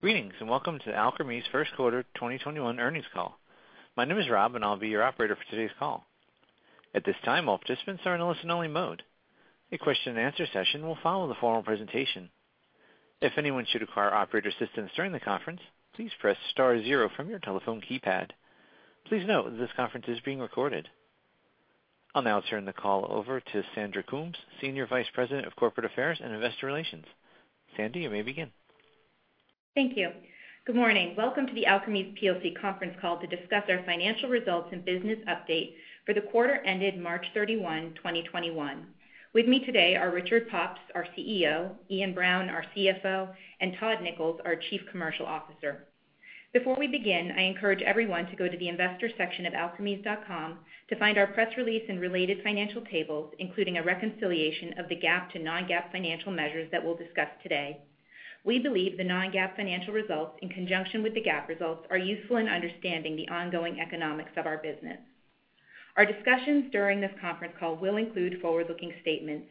Greetings, and welcome to the Alkermes first quarter 2021 earnings call. My name is Rob, and I'll be your operator for today's call. At this time, all participants are in a listen-only mode. A question and answer session will follow the formal presentation. If anyone should require operator assistance during the conference, please press star zero from your telephone keypad. Please note that this conference is being recorded. I'll now turn the call over to Sandra Coombs, Senior Vice President, Corporate Affairs and Investor Relations. Sandy, you may begin. Thank you. Good morning. Welcome to the Alkermes plc conference call to discuss our financial results and business update for the quarter ended March 31, 2021. With me today are Richard Pops, our CEO, Iain Brown, our CFO, and Todd Nichols, our Chief Commercial Officer. Before we begin, I encourage everyone to go to the investor section of alkermes.com to find our press release and related financial tables, including a reconciliation of the GAAP to non-GAAP financial measures that we'll discuss today. We believe the non-GAAP financial results, in conjunction with the GAAP results, are useful in understanding the ongoing economics of our business. Our discussions during this conference call will include forward-looking statements.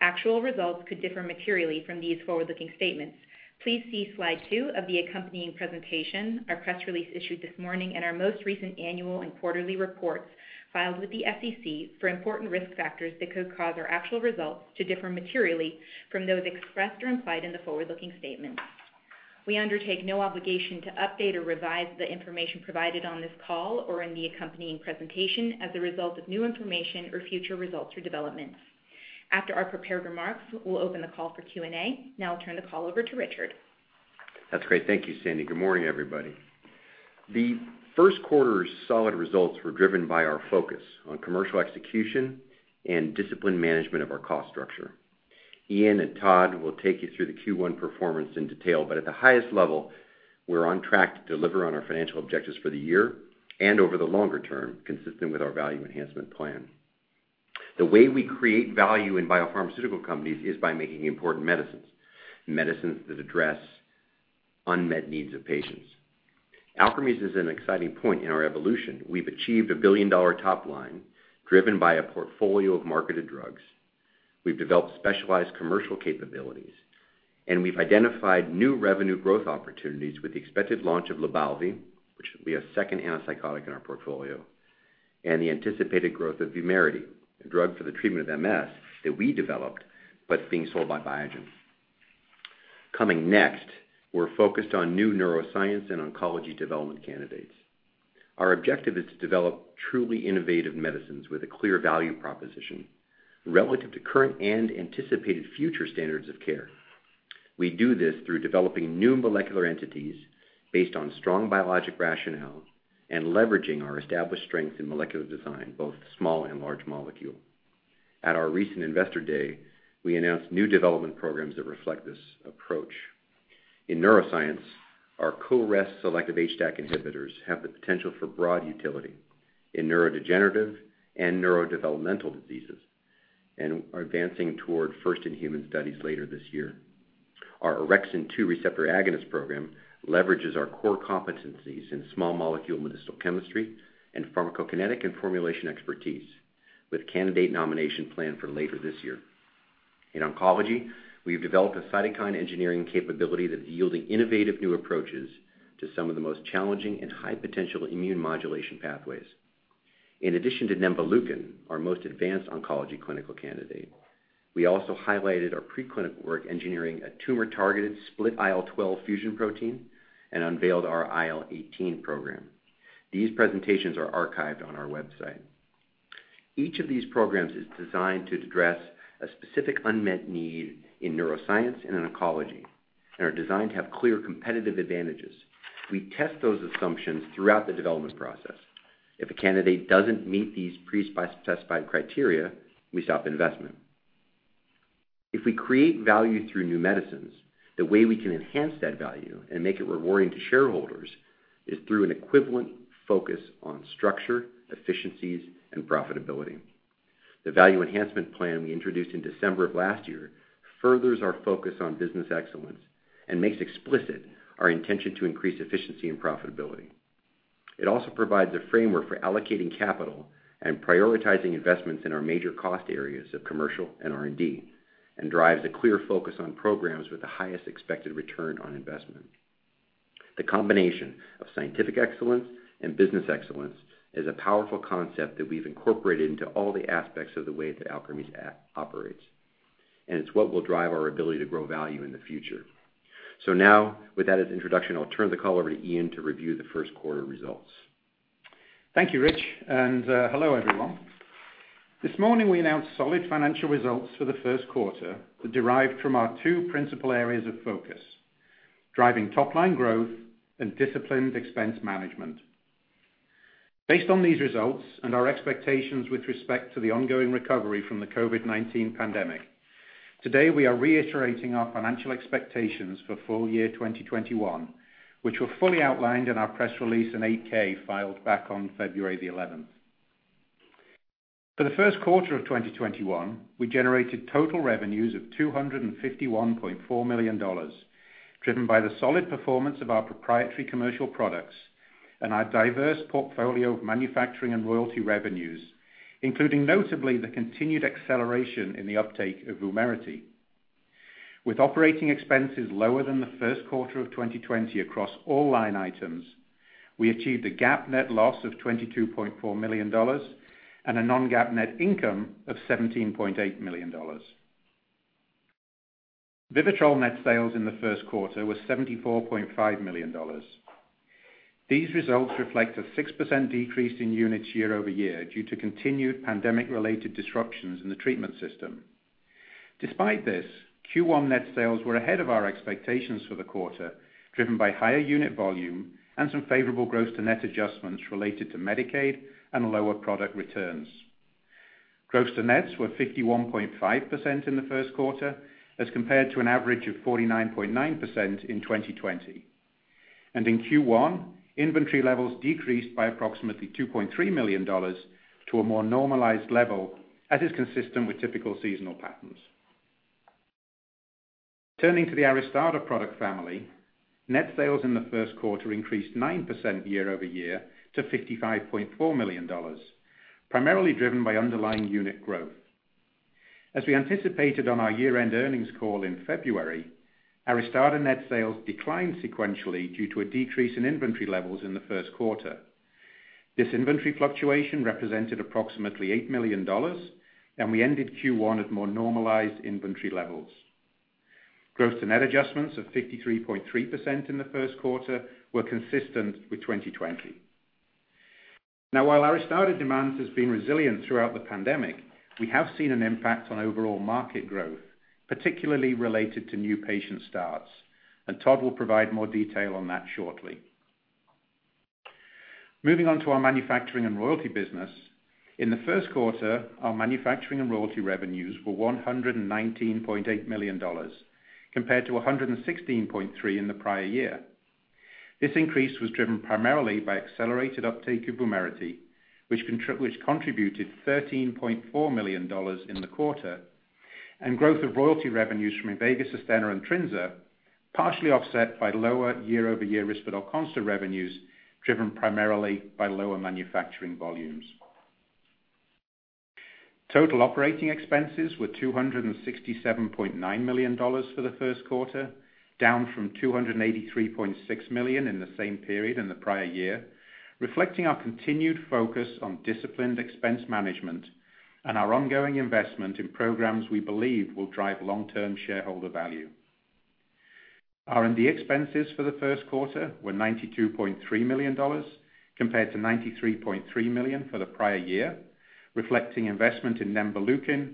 Actual results could differ materially from these forward-looking statements. Please see slide two of the accompanying presentation, our press release issued this morning, and our most recent annual and quarterly reports filed with the SEC for important risk factors that could cause our actual results to differ materially from those expressed or implied in the forward-looking statements. We undertake no obligation to update or revise the information provided on this call or in the accompanying presentation as a result of new information or future results or developments. After our prepared remarks, we'll open the call for Q&A. Now I'll turn the call over to Richard. That's great. Thank you, Sandy. Good morning, everybody. The first quarter's solid results were driven by our focus on commercial execution and disciplined management of our cost structure. Iain and Todd will take you through the Q1 performance in detail. At the highest level, we're on track to deliver on our financial objectives for the year and over the longer term, consistent with our Value Enhancement Plan. The way we create value in biopharmaceutical companies is by making important medicines that address unmet needs of patients. Alkermes is at an exciting point in our evolution. We've achieved a billion-dollar top line driven by a portfolio of marketed drugs. We've developed specialized commercial capabilities, and we've identified new revenue growth opportunities with the expected launch of LYBALVI, which will be a second antipsychotic in our portfolio, and the anticipated growth of VUMERITY, a drug for the treatment of MS that we developed, but it's being sold by Biogen. Coming next, we're focused on new neuroscience and oncology development candidates. Our objective is to develop truly innovative medicines with a clear value proposition relative to current and anticipated future standards of care. We do this through developing new molecular entities based on strong biologic rationale and leveraging our established strength in molecular design, both small and large molecule. At our recent investor day, we announced new development programs that reflect this approach. In neuroscience, our CoREST selective HDAC inhibitors have the potential for broad utility in neurodegenerative and neurodevelopmental diseases and are advancing toward first in human studies later this year. Our orexin 2 receptor agonist program leverages our core competencies in small molecule medicinal chemistry and pharmacokinetic and formulation expertise with candidate nomination planned for later this year. In oncology, we have developed a cytokine engineering capability that's yielding innovative new approaches to some of the most challenging and high potential immune modulation pathways. In addition to nemvaleukin, our most advanced oncology clinical candidate, we also highlighted our preclinical work engineering a tumor-targeted split IL-12 fusion protein and unveiled our IL-18 program. These presentations are archived on our website. Each of these programs is designed to address a specific unmet need in neuroscience and in oncology and are designed to have clear competitive advantages. We test those assumptions throughout the development process. If a candidate doesn't meet these pre-specified criteria, we stop investment. If we create value through new medicines, the way we can enhance that value and make it rewarding to shareholders is through an equivalent focus on structure, efficiencies, and profitability. The Value Enhancement Plan we introduced in December of last year furthers our focus on business excellence and makes explicit our intention to increase efficiency and profitability. It also provides a framework for allocating capital and prioritizing investments in our major cost areas of commercial and R&D and drives a clear focus on programs with the highest expected return on investment. The combination of scientific excellence and business excellence is a powerful concept that we've incorporated into all the aspects of the way that Alkermes operates, and it's what will drive our ability to grow value in the future. Now, with that as introduction, I'll turn the call over to Iain to review the first quarter results. Thank you, Rich, and hello, everyone. This morning, we announced solid financial results for the first quarter that derived from our two principal areas of focus, driving top-line growth and disciplined expense management. Based on these results and our expectations with respect to the ongoing recovery from the COVID-19 pandemic, today we are reiterating our financial expectations for full year 2021, which were fully outlined in our press release and 8-K filed back on February the 11th. For the first quarter of 2021, we generated total revenues of $251.4 million, driven by the solid performance of our proprietary commercial products Our diverse portfolio of manufacturing and royalty revenues, including notably the continued acceleration in the uptake of VUMERITY. With operating expenses lower than the first quarter of 2020 across all line items, we achieved a GAAP net loss of $22.4 million and a non-GAAP net income of $17.8 million. VIVITROL net sales in the first quarter were $74.5 million. These results reflect a 6% decrease in units year-over-year due to continued pandemic-related disruptions in the treatment system. Despite this, Q1 net sales were ahead of our expectations for the quarter, driven by higher unit volume and some favorable gross to net adjustments related to Medicaid and lower product returns. Gross to nets were 51.5% in the first quarter as compared to an average of 49.9% in 2020. In Q1, inventory levels decreased by approximately $2.3 million to a more normalized level, as is consistent with typical seasonal patterns. Turning to the ARISTADA product family, net sales in the first quarter increased 9% year-over-year to $55.4 million, primarily driven by underlying unit growth. As we anticipated on our year-end earnings call in February, ARISTADA net sales declined sequentially due to a decrease in inventory levels in the first quarter. This inventory fluctuation represented approximately $8 million, and we ended Q1 at more normalized inventory levels. Gross to net adjustments of 53.3% in the first quarter were consistent with 2020. While ARISTADA demand has been resilient throughout the pandemic, we have seen an impact on overall market growth, particularly related to new patient starts, and Todd Nichols will provide more detail on that shortly. Moving on to our manufacturing and royalty business. In the first quarter, our manufacturing and royalty revenues were $119.8 million, compared to $116.3 million in the prior year. This increase was driven primarily by accelerated uptake of VUMERITY, which contributed $13.4 million in the quarter, and growth of royalty revenues from INVEGA SUSTENNA, and TRINZA, partially offset by lower year-over-year RISPERDAL CONSTA revenues, driven primarily by lower manufacturing volumes. Total operating expenses were $267.9 million for the first quarter, down from $283.6 million in the same period in the prior year, reflecting our continued focus on disciplined expense management and our ongoing investment in programs we believe will drive long-term shareholder value. R&D expenses for the first quarter were $92.3 million, compared to $93.3 million for the prior year, reflecting investment in nemvaleukin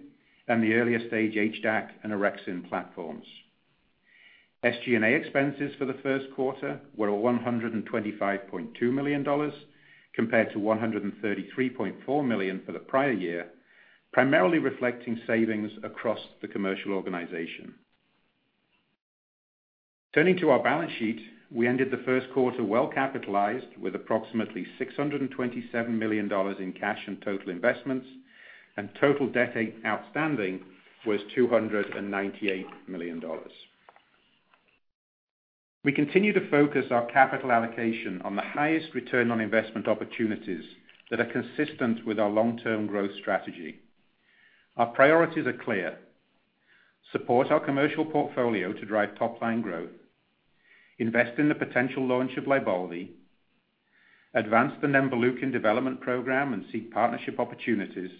and the earlier stage HDAC and orexin platforms. SG&A expenses for the first quarter were $125.2 million, compared to $133.4 million for the prior year, primarily reflecting savings across the commercial organization. Turning to our balance sheet, we ended the first quarter well capitalized with approximately $627 million in cash and total investments, and total debt outstanding was $298 million. We continue to focus our capital allocation on the highest return on investment opportunities that are consistent with our long-term growth strategy. Our priorities are clear: support our commercial portfolio to drive top-line growth, invest in the potential launch of LYBALVI, advance the nemvaleukin development program and seek partnership opportunities,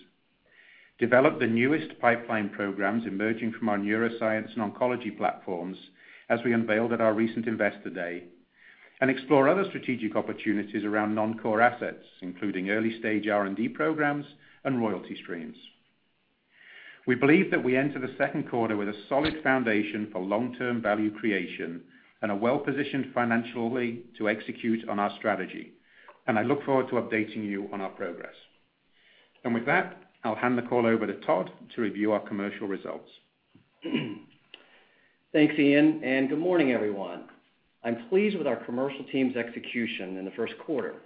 develop the newest pipeline programs emerging from our neuroscience and oncology platforms, as we unveiled at our recent Investor Day, and explore other strategic opportunities around non-core assets, including early-stage R&D programs and royalty streams. We believe that we enter the second quarter with a solid foundation for long-term value creation and are well-positioned financially to execute on our strategy. I look forward to updating you on our progress. With that, I'll hand the call over to Todd to review our commercial results. Thanks, Iain. Good morning, everyone. I'm pleased with our commercial team's execution in the first quarter,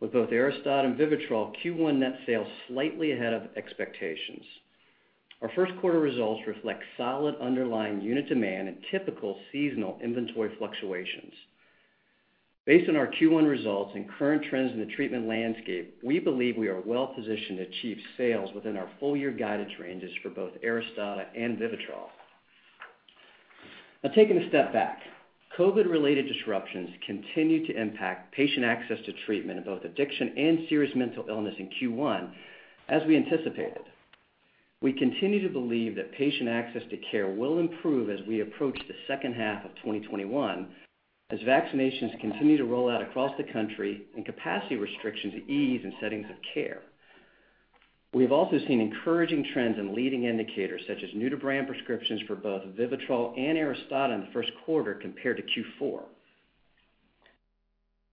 with both ARISTADA and VIVITROL Q1 net sales slightly ahead of expectations. Our first quarter results reflect solid underlying unit demand and typical seasonal inventory fluctuations. Based on our Q1 results and current trends in the treatment landscape, we believe we are well positioned to achieve sales within our full year guidance ranges for both ARISTADA and VIVITROL. Taking a step back. COVID-19-related disruptions continue to impact patient access to treatment of both addiction and serious mental illness in Q1, as we anticipated. We continue to believe that patient access to care will improve as we approach the second half of 2021, as vaccinations continue to roll out across the country and capacity restrictions ease in settings of care. We have also seen encouraging trends in leading indicators such as new-to-brand prescriptions for both VIVITROL and ARISTADA in the first quarter compared to Q4.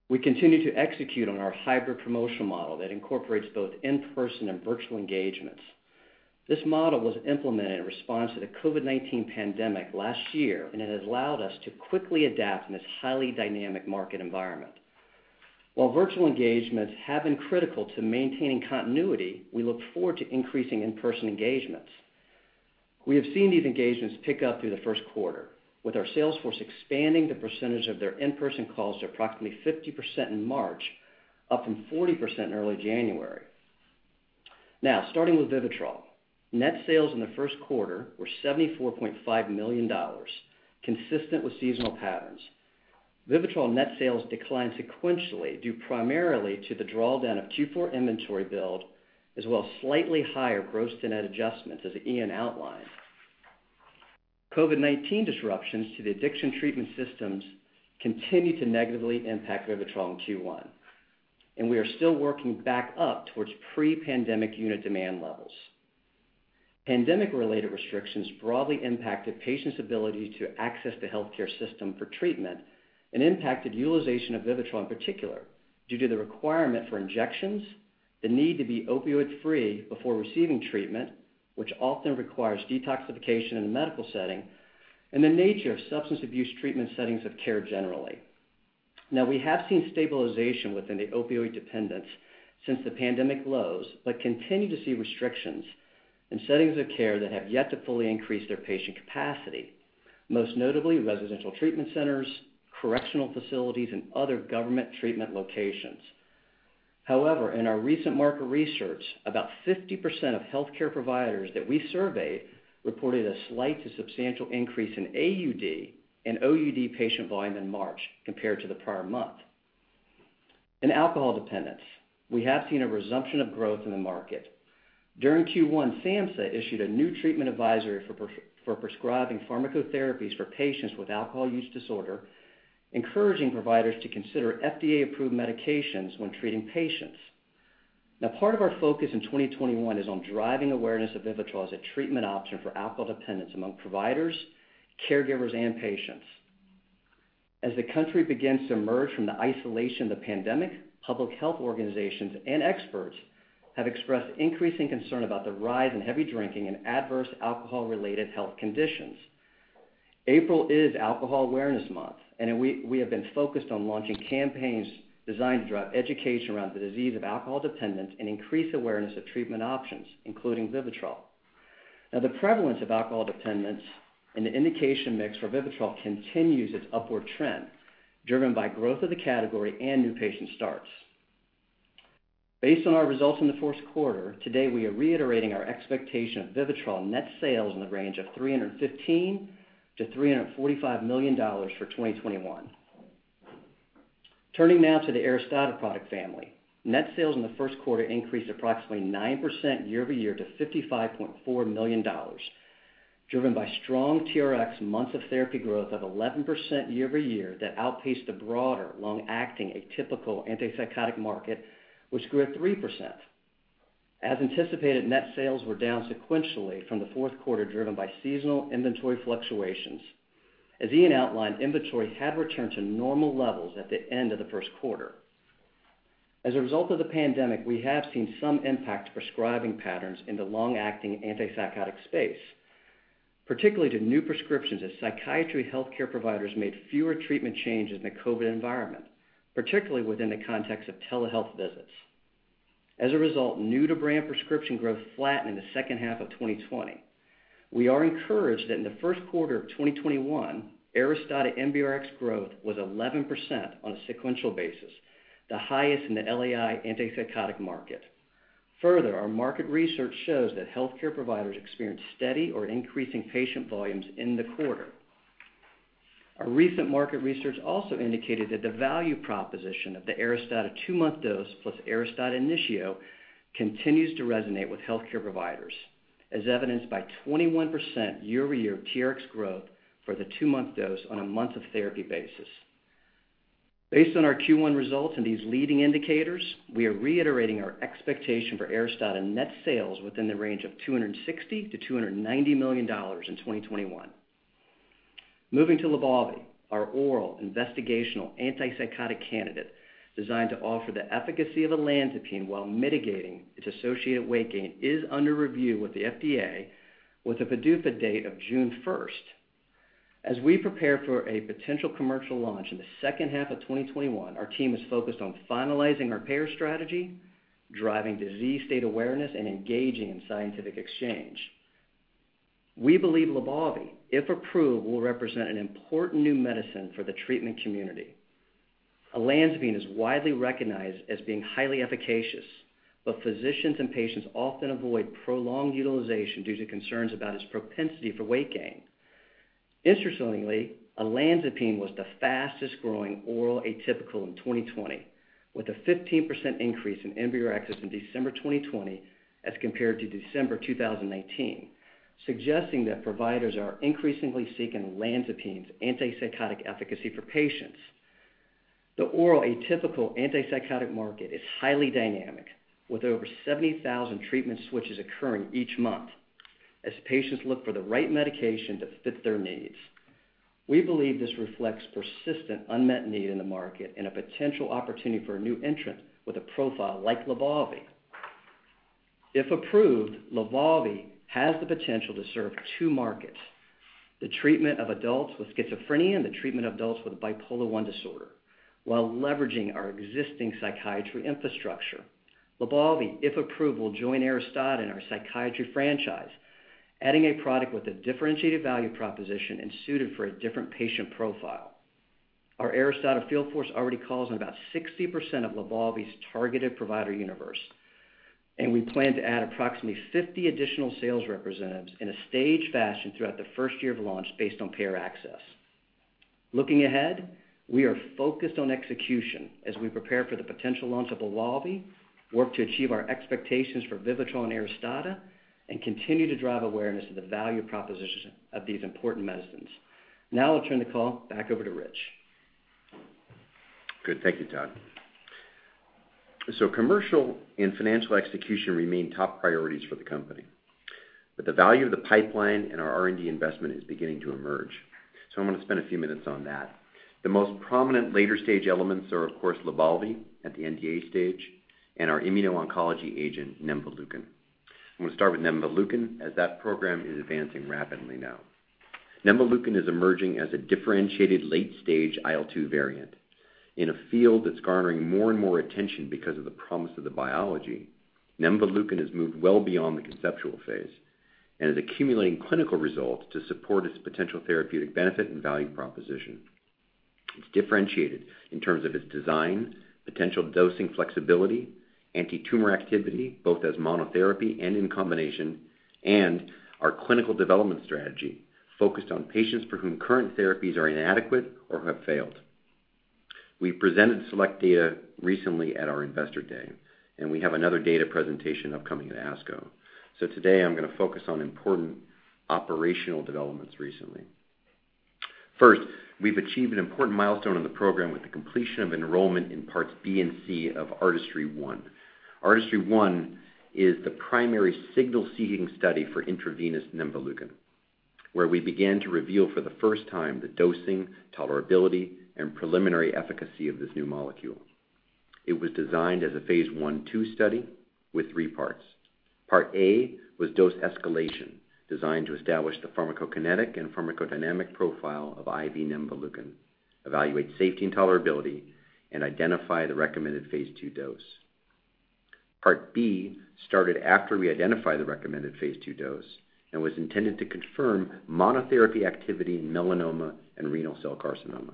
We continue to execute on our hybrid promotional model that incorporates both in-person and virtual engagements. This model was implemented in response to the COVID-19 pandemic last year. It has allowed us to quickly adapt in this highly dynamic market environment. While virtual engagements have been critical to maintaining continuity, we look forward to increasing in-person engagements. We have seen these engagements pick up through the first quarter, with our sales force expanding the percentage of their in-person calls to approximately 50% in March, up from 40% in early January. Starting with VIVITROL. Net sales in the first quarter were $74.5 million, consistent with seasonal patterns. VIVITROL net sales declined sequentially due primarily to the drawdown of Q4 inventory build, as well as slightly higher gross-to-net adjustments, as Iain outlined. COVID-19 disruptions to the addiction treatment systems continue to negatively impact VIVITROL in Q1, and we are still working back up towards pre-pandemic unit demand levels. Pandemic-related restrictions broadly impacted patients' ability to access the healthcare system for treatment and impacted utilization of VIVITROL in particular due to the requirement for injections, the need to be opioid free before receiving treatment, which often requires detoxification in a medical setting, and the nature of substance abuse treatment settings of care generally. Now, we have seen stabilization within the opioid dependence since the pandemic lows, but continue to see restrictions in settings of care that have yet to fully increase their patient capacity, most notably residential treatment centers, correctional facilities, and other government treatment locations. However, in our recent market research, about 50% of healthcare providers that we surveyed reported a slight to substantial increase in AUD and OUD patient volume in March compared to the prior month. In alcohol dependence, we have seen a resumption of growth in the market. During Q1, SAMHSA issued a new treatment advisory for prescribing pharmacotherapies for patients with alcohol use disorder, encouraging providers to consider FDA-approved medications when treating patients. Part of our focus in 2021 is on driving awareness of VIVITROL as a treatment option for alcohol dependence among providers, caregivers, and patients. As the country begins to emerge from the isolation of the pandemic, public health organizations and experts have expressed increasing concern about the rise in heavy drinking and adverse alcohol-related health conditions. April is Alcohol Awareness Month. We have been focused on launching campaigns designed to drive education around the disease of alcohol dependence and increase awareness of treatment options, including VIVITROL. Now, the prevalence of alcohol dependence and the indication mix for VIVITROL continues its upward trend, driven by growth of the category and new patient starts. Based on our results in the first quarter, today we are reiterating our expectation of VIVITROL net sales in the range of $315 million-$345 million for 2021. Turning now to the ARISTADA product family. Net sales in the first quarter increased approximately 9% year-over-year to $55.4 million, driven by strong TRx months of therapy growth of 11% year-over-year that outpaced the broader long-acting atypical antipsychotic market, which grew at 3%. As anticipated, net sales were down sequentially from the fourth quarter, driven by seasonal inventory fluctuations. As Iain outlined, inventory had returned to normal levels at the end of the first quarter. As a result of the pandemic, we have seen some impact to prescribing patterns in the long-acting antipsychotic space, particularly to new prescriptions as psychiatry healthcare providers made fewer treatment changes in the COVID environment, particularly within the context of telehealth visits. As a result, new-to-brand prescription growth flattened in the second half of 2020. We are encouraged that in the first quarter of 2021, ARISTADA NBRx growth was 11% on a sequential basis, the highest in the LAI antipsychotic market. Our market research shows that healthcare providers experienced steady or increasing patient volumes in the quarter. Our recent market research also indicated that the value proposition of the ARISTADA two-month dose plus ARISTADA INITIO continues to resonate with healthcare providers, as evidenced by 21% year-over-year TRx growth for the two-month dose on a month of therapy basis. Based on our Q1 results and these leading indicators, we are reiterating our expectation for ARISTADA net sales within the range of $260 million-$290 million in 2021. Moving to LYBALVI, our oral investigational antipsychotic candidate designed to offer the efficacy of olanzapine while mitigating its associated weight gain, is under review with the FDA with a PDUFA date of June 1st. As we prepare for a potential commercial launch in the second half of 2021, our team is focused on finalizing our payer strategy, driving disease state awareness, and engaging in scientific exchange. We believe LYBALVI, if approved, will represent an important new medicine for the treatment community. Olanzapine is widely recognized as being highly efficacious, but physicians and patients often avoid prolonged utilization due to concerns about its propensity for weight gain. Olanzapine was the fastest-growing oral atypical in 2020, with a 15% increase in NBRx since December 2020 as compared to December 2019, suggesting that providers are increasingly seeking olanzapine's antipsychotic efficacy for patients. The oral atypical antipsychotic market is highly dynamic, with over 70,000 treatment switches occurring each month as patients look for the right medication to fit their needs. We believe this reflects persistent unmet need in the market and a potential opportunity for a new entrant with a profile like LYBALVI. If approved, LYBALVI has the potential to serve two markets. The treatment of adults with schizophrenia and the treatment of adults with bipolar I disorder, while leveraging our existing psychiatry infrastructure. LYBALVI, if approved, will join ARISTADA in our psychiatry franchise, adding a product with a differentiated value proposition and suited for a different patient profile. Our ARISTADA field force already calls on about 60% of LYBALVI's targeted provider universe. We plan to add approximately 50 additional sales representatives in a staged fashion throughout the first year of launch based on payer access. Looking ahead, we are focused on execution as we prepare for the potential launch of LYBALVI, work to achieve our expectations for VIVITROL and ARISTADA, and continue to drive awareness of the value proposition of these important medicines. Now I'll turn the call back over to Rich. Good. Thank you, Todd. Commercial and financial execution remain top priorities for the company. The value of the pipeline and our R&D investment is beginning to emerge. I'm going to spend a few minutes on that. The most prominent later-stage elements are, of course, LYBALVI at the NDA stage and our immuno-oncology agent nemvaleukin. I'm going to start with nemvaleukin, as that program is advancing rapidly now. Nemvaleukin is emerging as a differentiated late-stage IL-2 variant in a field that's garnering more and more attention because of the promise of the biology. Nemvaleukin has moved well beyond the conceptual phase and is accumulating clinical results to support its potential therapeutic benefit and value proposition. It's differentiated in terms of its design, potential dosing flexibility, antitumor activity, both as monotherapy and in combination, and our clinical development strategy focused on patients for whom current therapies are inadequate or have failed. We presented select data recently at our investor day, and we have another data presentation upcoming at ASCO. Today, I'm going to focus on important operational developments recently. First, we've achieved an important milestone in the program with the completion of enrollment in Parts B and C of ARTISTRY-1. ARTISTRY-1 is the primary signal-seeking study for intravenous nemvaleukin, where we began to reveal for the first time the dosing, tolerability, and preliminary efficacy of this new molecule. It was designed as a phase I/II study with three parts. Part A was dose escalation, designed to establish the pharmacokinetic and pharmacodynamic profile of IV nemvaleukin, evaluate safety and tolerability, and identify the recommended phase II dose. Part B started after we identified the recommended phase II dose and was intended to confirm monotherapy activity in melanoma and renal cell carcinoma,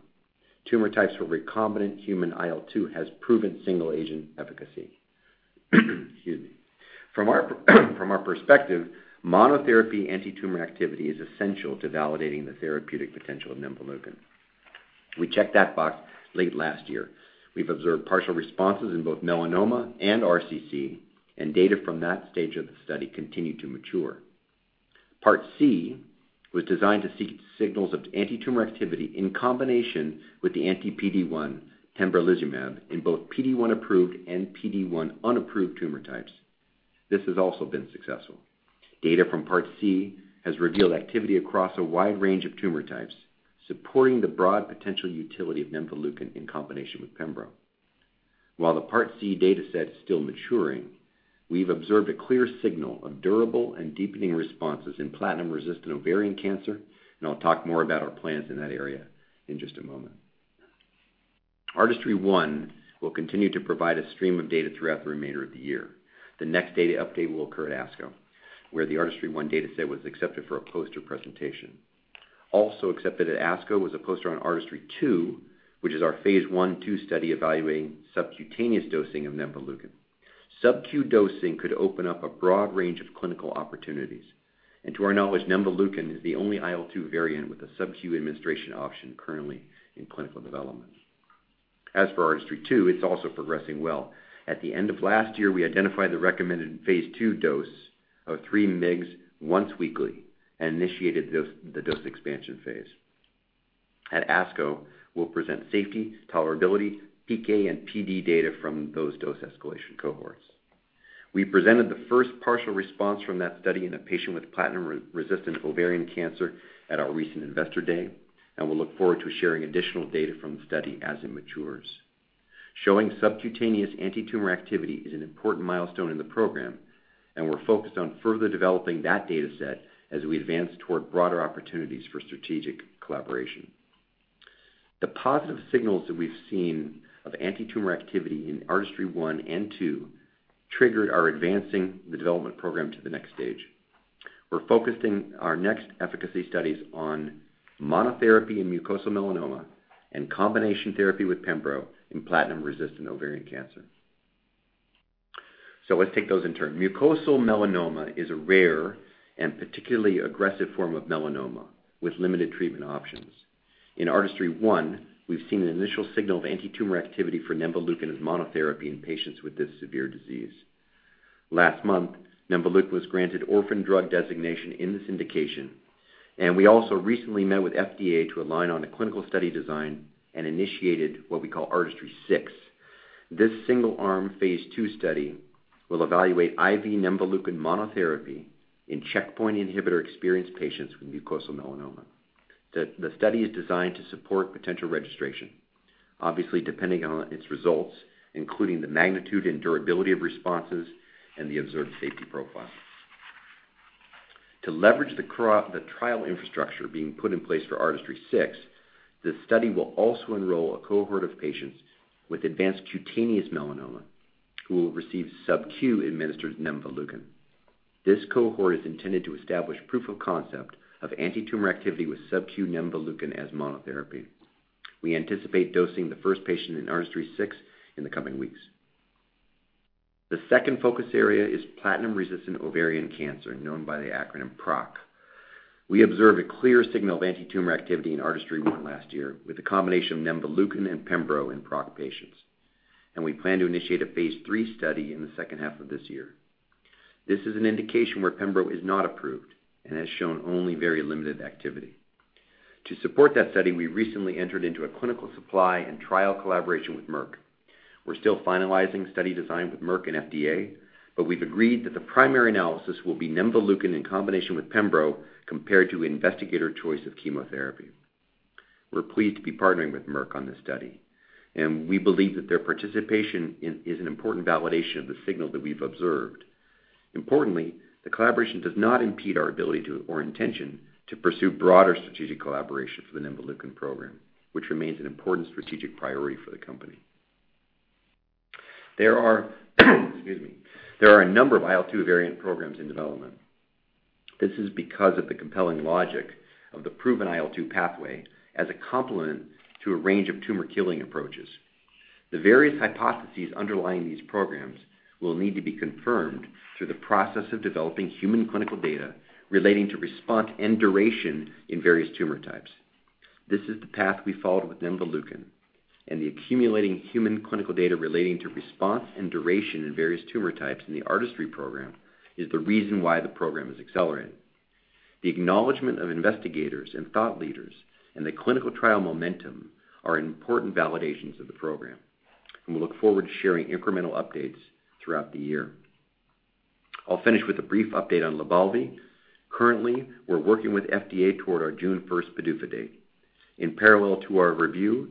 tumor types where recombinant human IL-2 has proven single-agent efficacy. Excuse me. From our perspective, monotherapy antitumor activity is essential to validating the therapeutic potential of nemvaleukin. We checked that box late last year. We've observed partial responses in both melanoma and RCC, and data from that stage of the study continue to mature. Part C was designed to seek signals of antitumor activity in combination with the anti-PD-1 pembrolizumab in both PD-1-approved and PD-1-unapproved tumor types. This has also been successful. Data from Part C has revealed activity across a wide range of tumor types, supporting the broad potential utility of nemvaleukin in combination with pembro. While the Part C data set is still maturing, we've observed a clear signal of durable and deepening responses in platinum-resistant ovarian cancer, and I'll talk more about our plans in that area in just a moment. ARTISTRY-1 will continue to provide a stream of data throughout the remainder of the year. The next data update will occur at ASCO, where the ARTISTRY-1 data set was accepted for a poster presentation. Also accepted at ASCO was a poster on ARTISTRY-2, which is our phase I/II study evaluating subcutaneous dosing of nemvaleukin. Subcu dosing could open up a broad range of clinical opportunities, and to our knowledge, nemvaleukin is the only IL-2 variant with a subcu administration option currently in clinical development. As for ARTISTRY-2, it's also progressing well. At the end of last year, we identified the recommended phase II dose of three mgs once weekly and initiated the dose expansion phase. At ASCO, we'll present safety, tolerability, PK, and PD data from those dose escalation cohorts. We presented the first partial response from that study in a patient with platinum-resistant ovarian cancer at our recent investor day, we'll look forward to sharing additional data from the study as it matures. Showing subcutaneous antitumor activity is an important milestone in the program, we're focused on further developing that data set as we advance toward broader opportunities for strategic collaboration. The positive signals that we've seen of antitumor activity in ARTISTRY-1 and 2 triggered our advancing the development program to the next stage. We're focusing our next efficacy studies on monotherapy in mucosal melanoma and combination therapy with pembro in platinum-resistant ovarian cancer. Let's take those in turn. Mucosal melanoma is a rare and particularly aggressive form of melanoma with limited treatment options. In ARTISTRY-1, we've seen an initial signal of antitumor activity for nemvaleukin as monotherapy in patients with this severe disease. Last month, nemvaleukin was granted orphan drug designation in this indication, and we also recently met with FDA to align on a clinical study design and initiated what we call ARTISTRY-6. This single-arm phase II study will evaluate IV nemvaleukin monotherapy in checkpoint inhibitor-experienced patients with mucosal melanoma. The study is designed to support potential registration. Obviously, depending on its results, including the magnitude and durability of responses and the observed safety profile. To leverage the trial infrastructure being put in place for ARTISTRY-6, the study will also enroll a cohort of patients with advanced cutaneous melanoma who will receive subcu administered nemvaleukin. This cohort is intended to establish proof of concept of anti-tumor activity with subcu nemvaleukin as monotherapy. We anticipate dosing the first patient in ARTISTRY-6 in the coming weeks. The second focus area is platinum-resistant ovarian cancer, known by the acronym PROC. We observed a clear signal of anti-tumor activity in ARTISTRY-1 last year with a combination of nemvaleukin and pembro in PROC patients. We plan to initiate a phase III study in the second half of this year. This is an indication where pembro is not approved and has shown only very limited activity. To support that study, we recently entered into a clinical supply and trial collaboration with Merck. We're still finalizing study design with Merck and FDA. We've agreed that the primary analysis will be nemvaleukin in combination with pembro, compared to investigator choice of chemotherapy. We're pleased to be partnering with Merck on this study. We believe that their participation is an important validation of the signal that we've observed. Importantly, the collaboration does not impede our ability or intention to pursue broader strategic collaboration for the nemvaleukin program, which remains an important strategic priority for the company. There are a number of IL-2 variant programs in development. This is because of the compelling logic of the proven IL-2 pathway as a complement to a range of tumor-killing approaches. The various hypotheses underlying these programs will need to be confirmed through the process of developing human clinical data relating to response and duration in various tumor types. This is the path we followed with nemvaleukin, the accumulating human clinical data relating to response and duration in various tumor types in the ARTISTRY program is the reason why the program is accelerating. The acknowledgment of investigators and thought leaders and the clinical trial momentum are important validations of the program. We look forward to sharing incremental updates throughout the year. I'll finish with a brief update on LYBALVI. Currently, we're working with FDA toward our June 1st PDUFA date. In parallel to our review,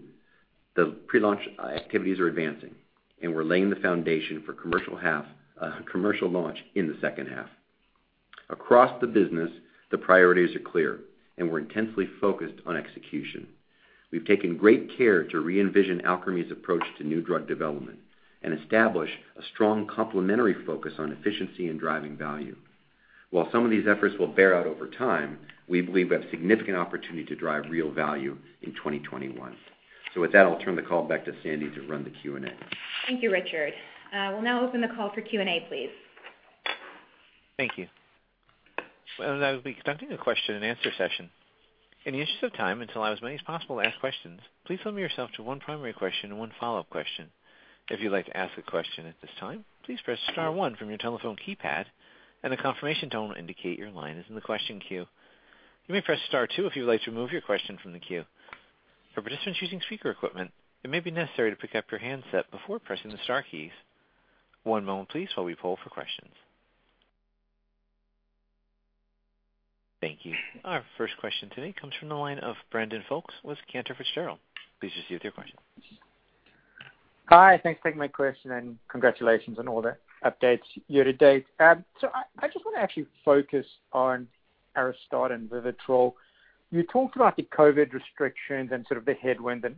the pre-launch activities are advancing. We're laying the foundation for commercial launch in the second half. Across the business, the priorities are clear. We're intensely focused on execution. We've taken great care to re-envision Alkermes' approach to new drug development and establish a strong complementary focus on efficiency and driving value. While some of these efforts will bear out over time, we believe we have a significant opportunity to drive real value in 2021. With that, I'll turn the call back to Sandy to run the Q&A. Thank you, Richard. We'll now open the call for Q&A, please. Thank you. I will now be conducting the question and answer session. In the interest of time, and to allow as many as possible to ask questions, please limit yourself to one primary question and one follow-up question. If you'd like to ask a question at this time, please press star one from your telephone keypad, and a confirmation tone will indicate your line is in the question queue. You may press star two if you'd like to remove your question from the queue. For participants using speaker equipment, it may be necessary to pick up your handset before pressing the star keys. One moment please while we poll for questions. Thank you. Our first question today comes from the line of Brandon Folkes with Cantor Fitzgerald. Please proceed with your question. Hi, thanks for taking my question and congratulations on all the updates year to date. I just want to actually focus on ARISTADA and VIVITROL. You talked about the COVID restrictions and sort of the headwind and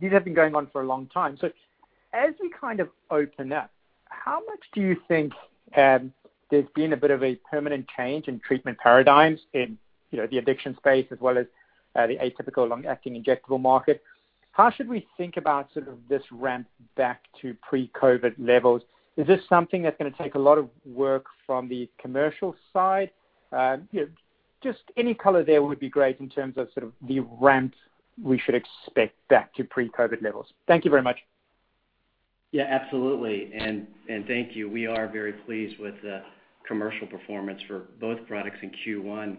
these have been going on for a long time. As we kind of open up, how much do you think there's been a bit of a permanent change in treatment paradigms in the addiction space as well as the atypical long-acting injectable market? How should we think about sort of this ramp back to pre-COVID levels? Is this something that's going to take a lot of work from the commercial side? Just any color there would be great in terms of sort of the ramp we should expect back to pre-COVID levels. Thank you very much. Yeah, absolutely. Thank you. We are very pleased with the commercial performance for both products in Q1.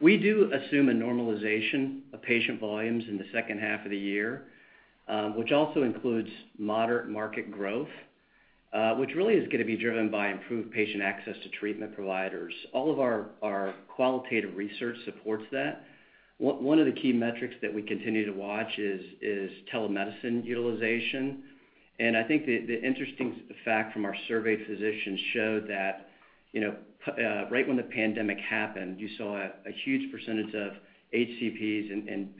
We do assume a normalization of patient volumes in the second half of the year, which also includes moderate market growth, which really is going to be driven by improved patient access to treatment providers. All of our qualitative research supports that. One of the key metrics that we continue to watch is telemedicine utilization. I think the interesting fact from our survey physicians showed that right when the pandemic happened, you saw a huge percentage of HCPs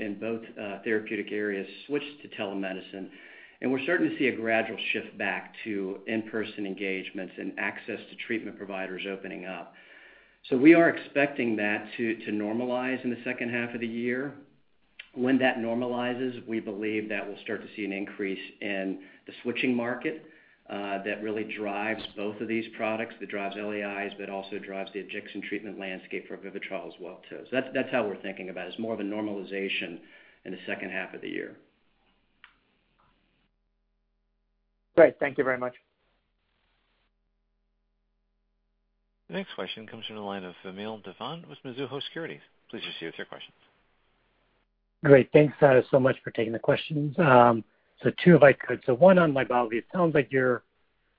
in both therapeutic areas switch to telemedicine, and we're starting to see a gradual shift back to in-person engagements and access to treatment providers opening up. We are expecting that to normalize in the second half of the year. When that normalizes, we believe that we'll start to see an increase in the switching market that really drives both of these products. That drives LAIs, but also drives the injection treatment landscape for VIVITROL as well, too. That's how we're thinking about it, as more of a normalization in the second half of the year. Great, thank you very much. The next question comes from the line of Vamil Divan with Mizuho Securities. Please proceed with your question. Great. Thanks so much for taking the questions. Two, if I could. One on LYBALVI.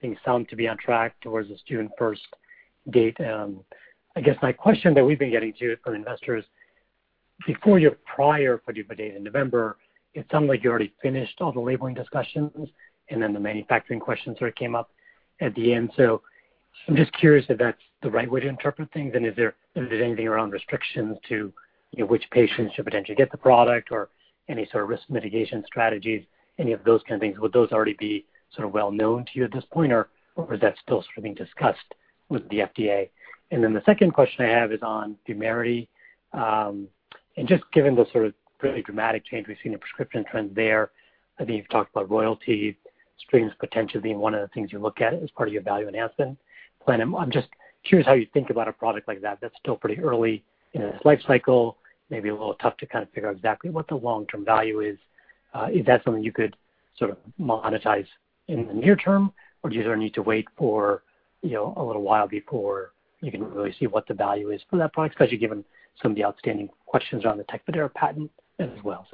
Things sound to be on track towards this June 1st date. I guess my question that we've been getting too from investors, before your prior PDUFA date in November, it sounded like you already finished all the labeling discussions, and then the manufacturing questions came up at the end. I'm just curious if that's the right way to interpret things. Is there anything around restrictions to which patients should potentially get the product or any sort of risk mitigation strategies, any of those kind of things? Would those already be well known to you at this point, or is that still being discussed with the FDA? The second question I have is on VUMERITY. Just given the sort of really dramatic change we've seen in prescription trends there, I think you've talked about royalty streams potentially being one of the things you look at as part of your Value Enhancement Plan. I'm just curious how you think about a product like that that's still pretty early in its life cycle, maybe a little tough to figure out exactly what the long-term value is. Is that something you could monetize in the near term, or do you sort of need to wait for a little while before you can really see what the value is for that product, especially given some of the outstanding questions around the TECFIDERA patent as well?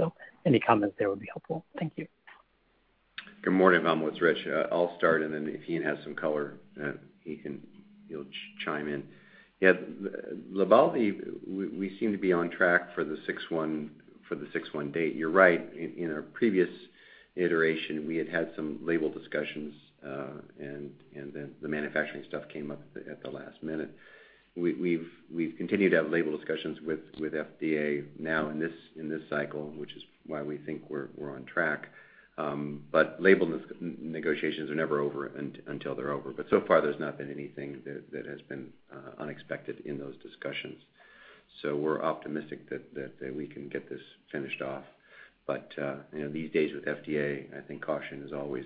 Any comments there would be helpful. Thank you. Good morning. Vam, with Rich. I'll start, and then if Iain has some color, he can chime in. Yeah, LYBALVI, we seem to be on track for the 6/1 date. You're right. In our previous iteration, we had had some label discussions, and then the manufacturing stuff came up at the last minute. We've continued to have label discussions with FDA now in this cycle, which is why we think we're on track. Label negotiations are never over until they're over. So far, there's not been anything that has been unexpected in those discussions. We're optimistic that we can get this finished off. These days with FDA, I think caution is always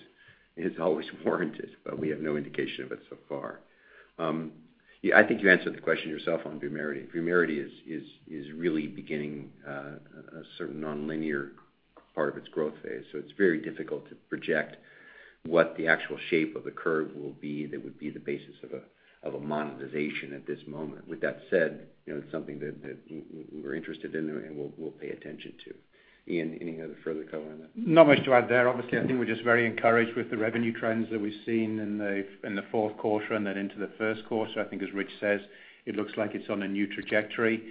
warranted, but we have no indication of it so far. Yeah, I think you answered the question yourself on VUMERITY. VUMERITY is really beginning a certain nonlinear part of its growth phase. It's very difficult to project what the actual shape of the curve will be that would be the basis of a monetization at this moment. With that said, it's something that we're interested in and we'll pay attention to. Iain, any other further color on that? Not much to add there. Obviously, I think we're just very encouraged with the revenue trends that we've seen in the fourth quarter and then into the first quarter. I think, as Rich says, it looks like it's on a new trajectory.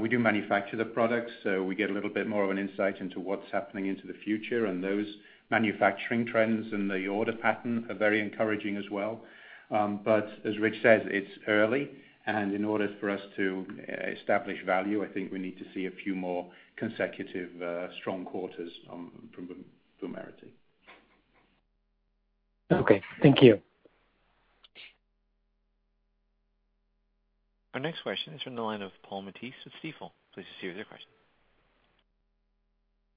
We do manufacture the product, so we get a little bit more of an insight into what's happening into the future and those manufacturing trends and the order pattern are very encouraging as well. But as Rich says, it's early, and in order for us to establish value, I think we need to see a few more consecutive strong quarters from VUMERITY. Okay. Thank you. Our next question is from the line of Paul Matteis with Stifel. Please proceed with your question.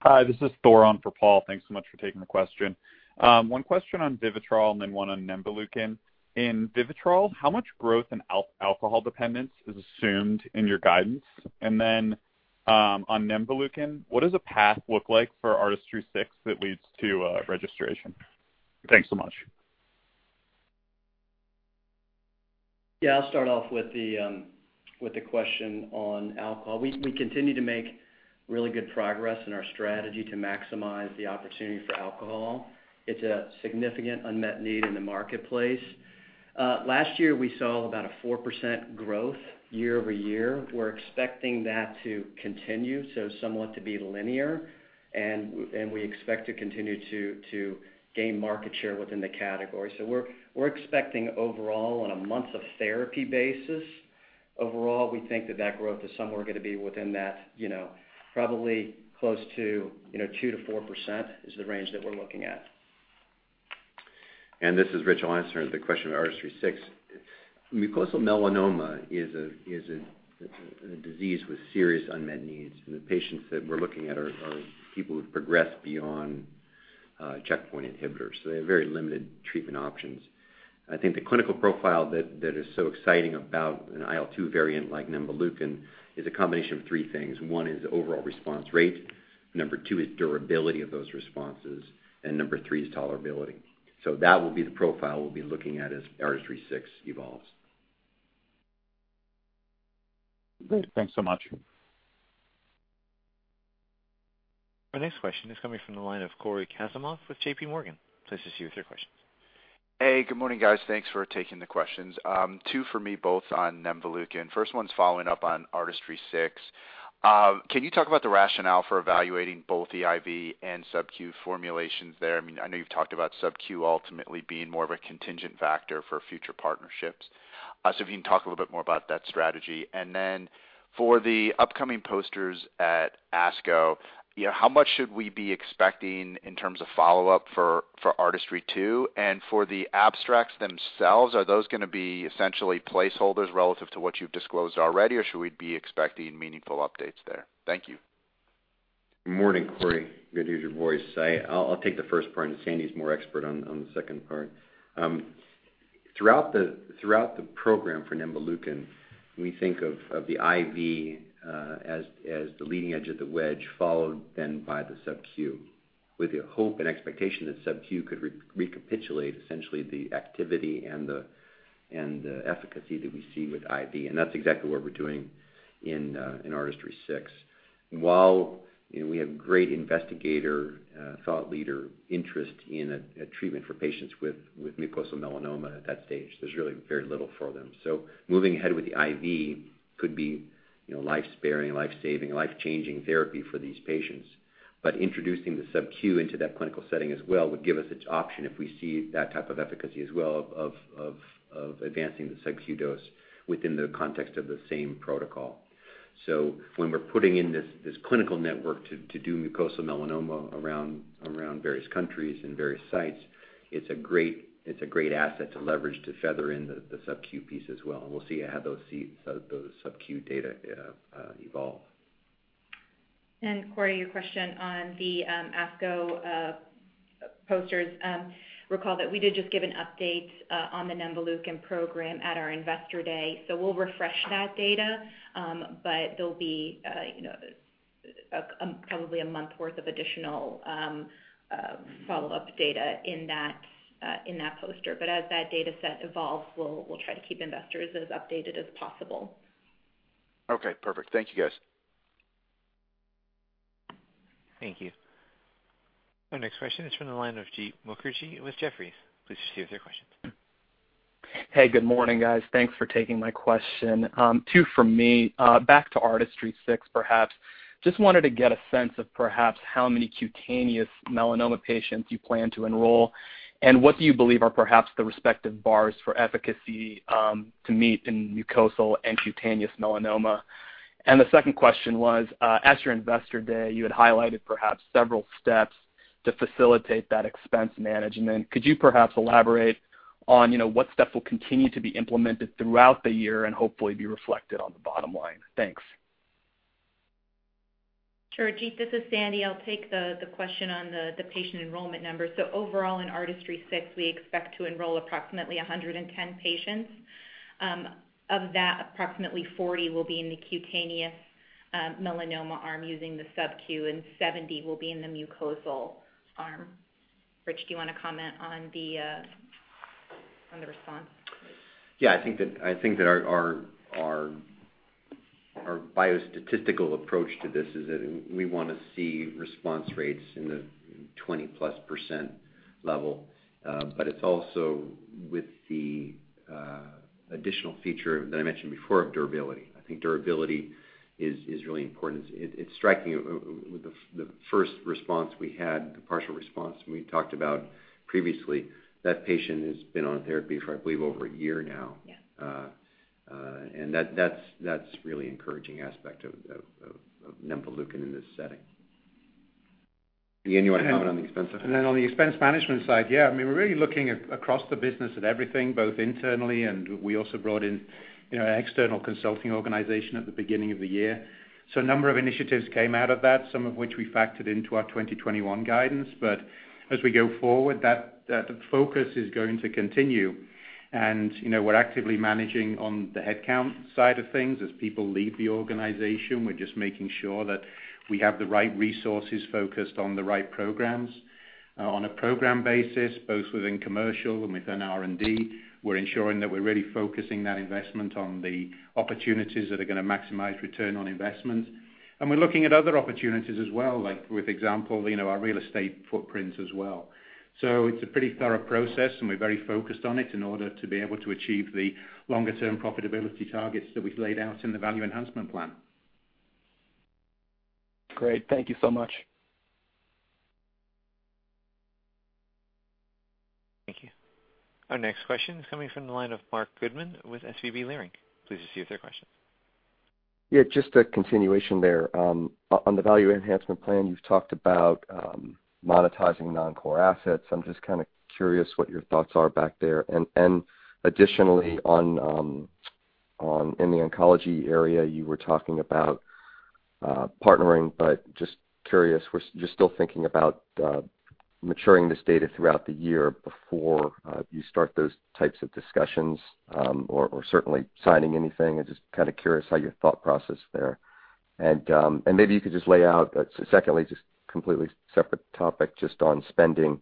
Hi, this is Thor on for Paul. Thanks so much for taking the question. One question on VIVITROL and then one on nemvaleukin. In VIVITROL, how much growth in alcohol dependence is assumed in your guidance? On nemvaleukin, what does a path look like for ARTISTRY-6 that leads to registration? Thanks so much. I'll start off with the question on VIVITROL. We continue to make really good progress in our strategy to maximize the opportunity for VIVITROL. It's a significant unmet need in the marketplace. Last year, we saw about a 4% growth year-over-year. We're expecting that to continue, somewhat to be linear, and we expect to continue to gain market share within the category. We're expecting overall on a months of therapy basis, overall, we think that that growth is somewhere going to be within that, probably close to 2%-4% is the range that we're looking at. This is Rich. I'll answer the question on ARTISTRY-6. Mucosal melanoma is a disease with serious unmet needs, the patients that we're looking at are people who've progressed beyond checkpoint inhibitors. They have very limited treatment options. I think the clinical profile that is so exciting about an IL-2 variant like nemvaleukin is a combination of three things. One is overall response rate, number two is durability of those responses, and number three is tolerability. That will be the profile we'll be looking at as ARTISTRY-6 evolves. Great. Thanks so much. Our next question is coming from the line of Cory Kasimov with JPMorgan. Please proceed with your question. Hey, good morning, guys. Thanks for taking the questions. Two for me, both on nemvaleukin. First one's following up on ARTISTRY-6. Can you talk about the rationale for evaluating both the IV and subcu formulations there? I know you've talked about subcu ultimately being more of a contingent factor for future partnerships. If you can talk a little bit more about that strategy, and then for the upcoming posters at ASCO, how much should we be expecting in terms of follow-up for ARTISTRY-2 and for the abstracts themselves, are those going to be essentially placeholders relative to what you've disclosed already, or should we be expecting meaningful updates there? Thank you. Morning, Cory. Good to hear your voice. I'll take the first part, and Sandy's more expert on the second part. Throughout the program for nemvaleukin, we think of the IV as the leading edge of the wedge, followed then by the subcu. With the hope and expectation that subcu could recapitulate essentially the activity and the efficacy that we see with IV, That's exactly what we're doing in ARTISTRY-6. While we have great investigator thought leader interest in a treatment for patients with mucosal melanoma at that stage, there's really very little for them. Moving ahead with the IV could be life-sparing, life-saving, life-changing therapy for these patients. Introducing the subcu into that clinical setting as well would give us an option if we see that type of efficacy as well of advancing the subcu dose within the context of the same protocol. When we're putting in this clinical network to do mucosal melanoma around various countries and various sites, it's a great asset to leverage to feather in the subcu piece as well. We'll see how those subcu data evolve. Cory, your question on the ASCO posters, recall that we did just give an update on the nemvaleukin program at our Investor Day. We'll refresh that data, there'll be probably one month worth of additional follow-up data in that poster. As that data set evolves, we'll try to keep investors as updated as possible. Okay, perfect. Thank you, guys. Thank you. Our next question is from the line of Jeet Mukherjee with Jefferies. Please proceed with your questions. Hey, good morning, guys. Thanks for taking my question. Two from me. Back to ARTISTRY-6 perhaps, just wanted to get a sense of perhaps how many cutaneous melanoma patients you plan to enroll, and what do you believe are perhaps the respective bars for efficacy to meet in mucosal and cutaneous melanoma. The second question was, at your Investor Day, you had highlighted perhaps several steps to facilitate that expense management. Could you perhaps elaborate on what steps will continue to be implemented throughout the year and hopefully be reflected on the bottom line? Thanks. Sure, Jeet, this is Sandy. I'll take the question on the patient enrollment numbers. Overall in ARTISTRY-6, we expect to enroll approximately 110 patients. Of that, approximately 40 will be in the cutaneous melanoma arm using the subcu, and 70 will be in the mucosal arm. Rich, do you want to comment on the response? I think that our biostatistical approach to this is that we want to see response rates in the 20%+ level, but it's also with the additional feature that I mentioned before of durability. I think durability is really important. It's striking with the first response we had, the partial response we talked about previously. That patient has been on therapy for, I believe, over one year now. Yeah. That's really encouraging aspect of nemvaleukin in this setting. Iain, you want to comment on the expense side? On the expense management side, we're really looking across the business at everything, both internally and we also brought in an external consulting organization at the beginning of the year. A number of initiatives came out of that, some of which we factored into our 2021 guidance. As we go forward, that focus is going to continue. We're actively managing on the headcount side of things. As people leave the organization, we're just making sure that we have the right resources focused on the right programs. On a program basis, both within commercial and within R&D, we're ensuring that we're really focusing that investment on the opportunities that are going to maximize return on investment. We're looking at other opportunities as well, like with example, our real estate footprint as well. It's a pretty thorough process, and we're very focused on it in order to be able to achieve the longer-term profitability targets that we've laid out in the Value Enhancement Plan. Great. Thank you so much. Thank you. Our next question is coming from the line of Marc Goodman with SVB Leerink. Please proceed with your question. Yeah, just a continuation there. On the Value Enhancement Plan, you've talked about monetizing non-core assets. I'm just kind of curious what your thoughts are back there. Additionally, in the oncology area, you were talking about partnering, but just curious, you're still thinking about maturing this data throughout the year before you start those types of discussions, or certainly signing anything. I'm just kind of curious how your thought process there. Maybe you could just lay out, secondly, just completely separate topic just on spending,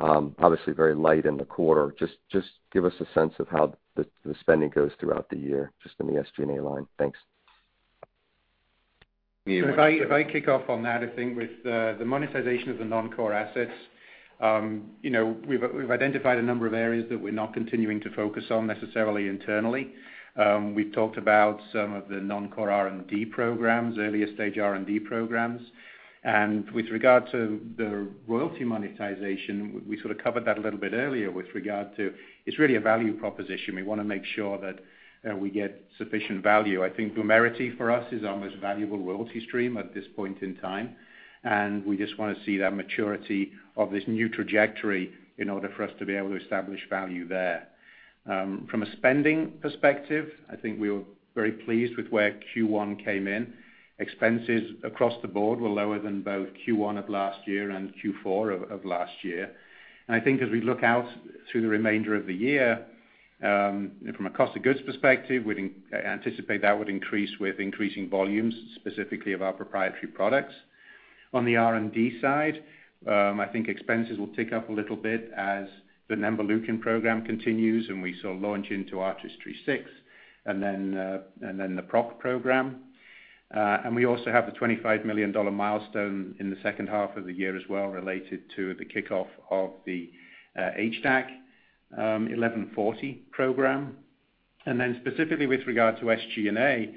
obviously very light in the quarter. Just give us a sense of how the spending goes throughout the year, just in the SG&A line. Thanks. If I kick off on that, I think with the monetization of the non-core assets, we've identified a number of areas that we're not continuing to focus on necessarily internally. We've talked about some of the non-core R&D programs, earlier stage R&D programs. With regard to the royalty monetization, we sort of covered that a little bit earlier with regard to it's really a value proposition. We want to make sure that we get sufficient value. I think VUMERITY for us is our most valuable royalty stream at this point in time, and we just want to see that maturity of this new trajectory in order for us to be able to establish value there. From a spending perspective, I think we were very pleased with where Q1 came in. Expenses across the board were lower than both Q1 of last year and Q4 of last year. I think as we look out through the remainder of the year. From a cost of goods perspective, we'd anticipate that would increase with increasing volumes, specifically of our proprietary products. On the R&D side, I think expenses will tick up a little bit as the nemvaleukin program continues, and we saw launch into ARTISTRY-6, and then the PROC program. We also have the $25 million milestone in the second half of the year as well related to the kickoff of the ALKS 1140 program. Then specifically with regard to SG&A,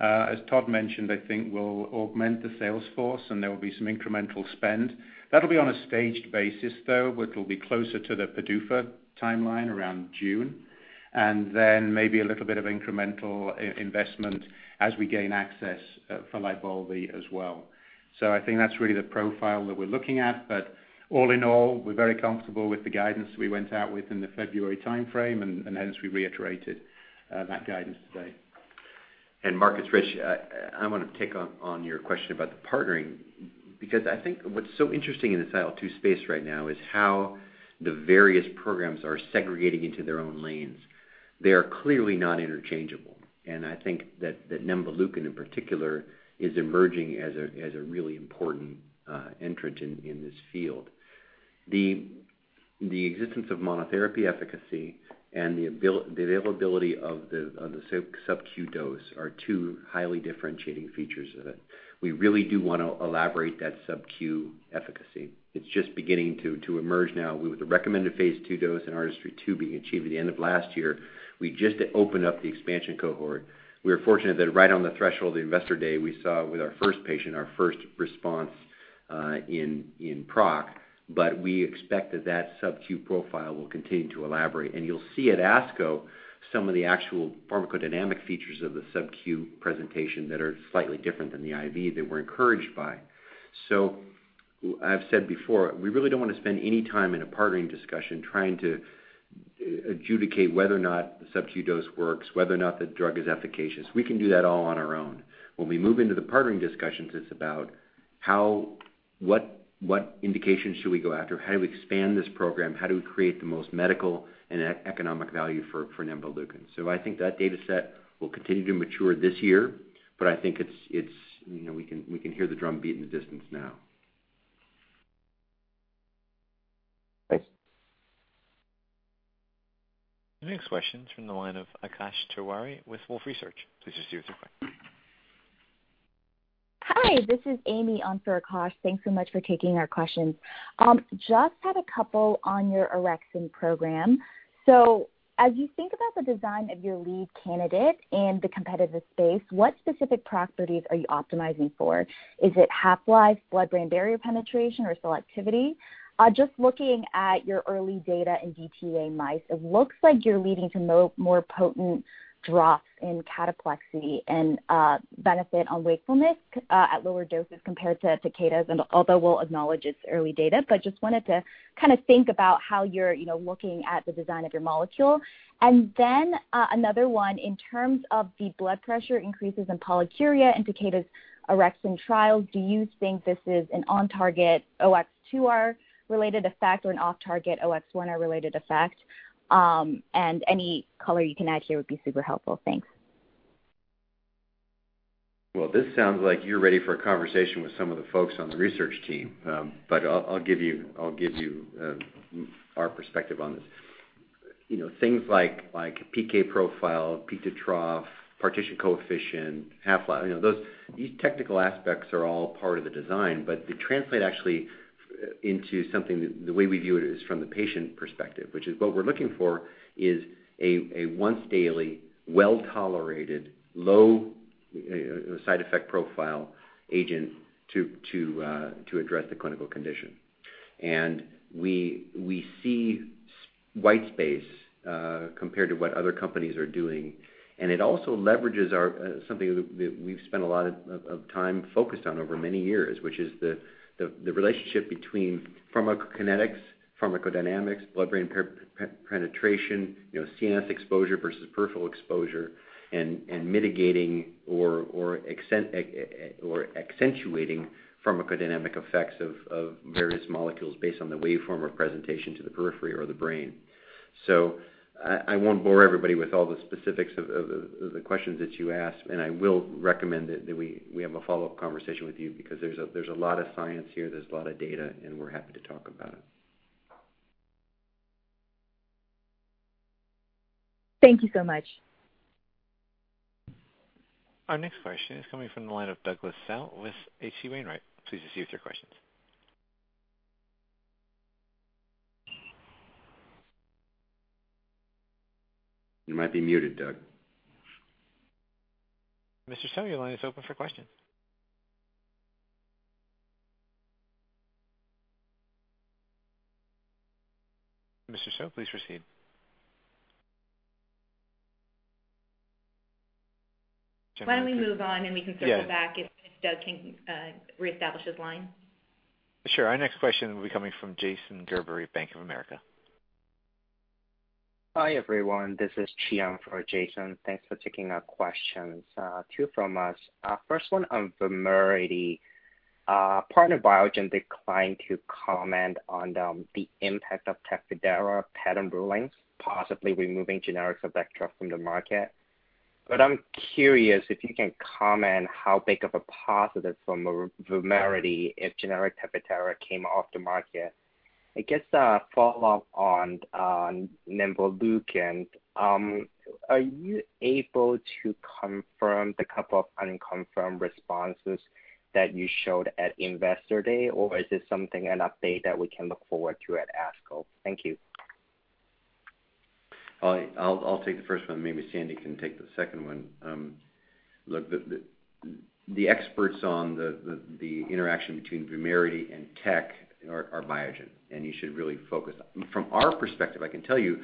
as Todd mentioned, I think we'll augment the sales force, and there will be some incremental spend. That'll be on a staged basis, though, which will be closer to the PDUFA timeline around June. Then maybe a little bit of incremental investment as we gain access for LYBALVI as well. I think that's really the profile that we're looking at. All in all, we're very comfortable with the guidance we went out with in the February timeframe, and hence we reiterated that guidance today. Marc Goodman, Richard Pops, I want to take on your question about the partnering, because I think what's so interesting in the IL-2 space right now is how the various programs are segregating into their own lanes. They are clearly not interchangeable, and I think that nemvaleukin in particular is emerging as a really important entrant in this field. The existence of monotherapy efficacy and the availability of the subcu dose are two highly differentiating features of it. We really do want to elaborate that subcu efficacy. It's just beginning to emerge now with the recommended phase II dose in ARTISTRY-2 being achieved at the end of last year. We just opened up the expansion cohort. We are fortunate that right on the threshold of Investor Day, we saw with our first patient, our first response in PROC. We expect that that subcu profile will continue to elaborate. You'll see at ASCO some of the actual pharmacodynamic features of the subcu presentation that are slightly different than the IV that we're encouraged by. I've said before, we really don't want to spend any time in a partnering discussion trying to adjudicate whether or not the subcu dose works, whether or not the drug is efficacious. We can do that all on our own. When we move into the partnering discussions, it's about what indications should we go after? How do we expand this program? How do we create the most medical and economic value for nemvaleukin? I think that data set will continue to mature this year, but I think we can hear the drumbeat in the distance now. Thanks. The next question is from the line of Akash Tewari with Wolfe Research. Please proceed with your question. Hi, this is Amy on for Akash. Thanks so much for taking our questions. Had a couple on your orexin program. As you think about the design of your lead candidate in the competitive space, what specific properties are you optimizing for? Is it half-life blood-brain barrier penetration or selectivity? Looking at your early data in DTA mice, it looks like you're leading to more potent drops in cataplexy and benefit on wakefulness at lower doses compared to Takeda's, although we'll acknowledge it's early data. Wanted to think about how you're looking at the design of your molecule. Another one, in terms of the blood pressure increases in polyuria in Takeda's orexin trials, do you think this is an on-target OX2R related effect or an off-target OX1R related effect? Any color you can add here would be super helpful. Thanks. Well, this sounds like you're ready for a conversation with some of the folks on the research team. I'll give you our perspective on this. Things like PK profile, peak to trough, partition coefficient, half-life, these technical aspects are all part of the design, but they translate actually into something, the way we view it is from the patient perspective. Which is what we're looking for is a once-daily, well-tolerated, low side effect profile agent to address the clinical condition. We see white space compared to what other companies are doing. It also leverages something that we've spent a lot of time focused on over many years, which is the relationship between pharmacokinetics, pharmacodynamics, blood-brain penetration, CNS exposure versus peripheral exposure, and mitigating or accentuating pharmacodynamic effects of various molecules based on the waveform or presentation to the periphery or the brain. I won't bore everybody with all the specifics of the questions that you asked, and I will recommend that we have a follow-up conversation with you because there's a lot of science here, there's a lot of data, and we're happy to talk about it. Thank you so much. Our next question is coming from the line of Douglas Tsao with H.C. Wainwright. Please proceed with your questions. You might be muted, Doug. Mr. Tsao, your line is open for questions. Mr. Tsao, please proceed. Why don't we move on, and we can circle back. Yeah. If Doug can reestablish his line. Sure. Our next question will be coming from Jason Gerberry, Bank of America. Hi, everyone. This is Chi on for Jason. Thanks for taking our questions. Two from us. First one on VUMERITY partner Biogen declined to comment on the impact of TECFIDERA patent rulings, possibly removing generics of Acthar from the market. I'm curious if you can comment how big of a positive for VUMERITY if generic TECFIDERA came off the market. I guess a follow-up on nemvaleukin. Are you able to confirm the couple of unconfirmed responses that you showed at Investor Day, or is this something, an update that we can look forward to at ASCO? Thank you. I'll take the first one. Maybe Sandy can take the second one. Look, the experts on the interaction between VUMERITY and TECFIDERA are Biogen. You should really focus. From our perspective, I can tell you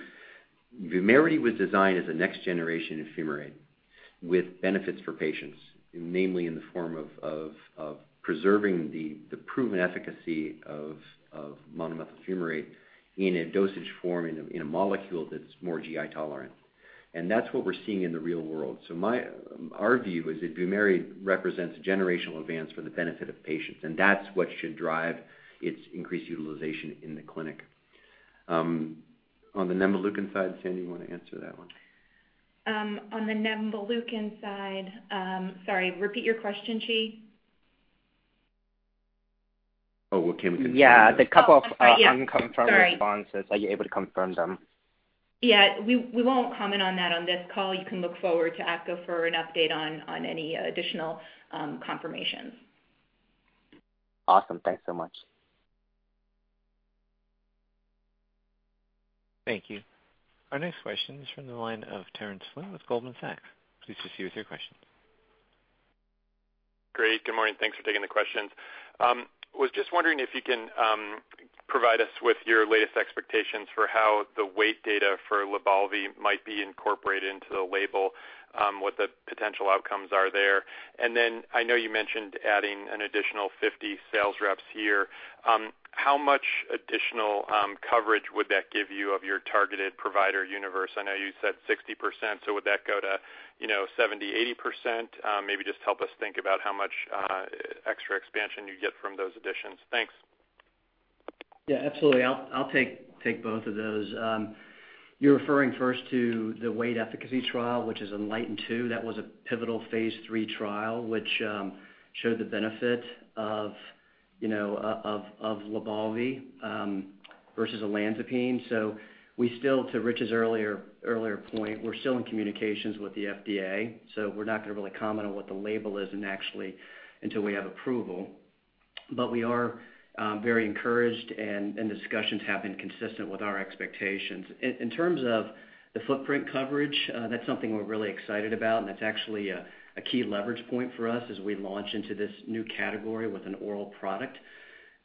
VUMERITY was designed as a next generation of fumarate with benefits for patients, namely in the form of preserving the proven efficacy of monomethyl fumarate in a dosage form, in a molecule that's more GI tolerant. That's what we're seeing in the real world. Our view is that VUMERITY represents a generational advance for the benefit of patients. That's what should drive its increased utilization in the clinic. On the nemvaleukin side, Sandy, you want to answer that one? On the nemvaleukin side, sorry, repeat your question, Chi. Yeah. Oh, sorry. Yeah. Sorry. The couple of unconfirmed responses, are you able to confirm them? Yeah. We won't comment on that on this call. You can look forward to ASCO for an update on any additional confirmations. Awesome. Thanks so much. Thank you. Our next question is from the line of Terence Flynn with Goldman Sachs. Please proceed with your question. Great. Good morning. Thanks for taking the questions. Was just wondering if you can provide us with your latest expectations for how the weight data for LYBALVI might be incorporated into the label, what the potential outcomes are there. I know you mentioned adding an additional 50 sales reps here. How much additional coverage would that give you of your targeted provider universe? I know you said 60%, so would that go to 70%, 80%? Maybe just help us think about how much extra expansion you get from those additions. Thanks. Yeah, absolutely. I'll take both of those. You're referring first to the weight efficacy trial, which is ENLIGHTEN-2. That was a pivotal phase III trial, which showed the benefit of LYBALVI versus olanzapine. To Rich's earlier point, we're still in communications with the FDA, so we're not going to really comment on what the label is until we have approval. We are very encouraged and discussions have been consistent with our expectations. In terms of the footprint coverage, that's something we're really excited about, and that's actually a key leverage point for us as we launch into this new category with an oral product.